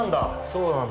そうなんだ。